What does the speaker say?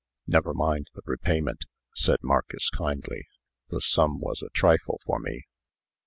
"Never mind the repayment," said Marcus, kindly. "The sum was a trifle for me."